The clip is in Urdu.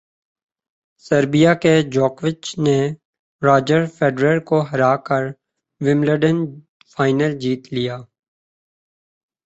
سربیا کے جوکووچ نے راجر فیڈرر کو ہرا کر ومبلڈن فائنل جیت لیا